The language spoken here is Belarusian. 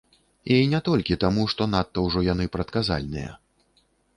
І не толькі таму, што надта ўжо яны прадказальныя.